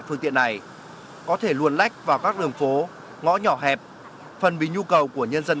phương tiện này có thể luôn lách vào các đường phố ngõ nhỏ hẹp phân bí nhu cầu của nhân dân